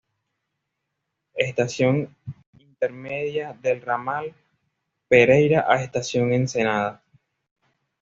Estación intermedia del ramal Pereyra a Estación Ensenada.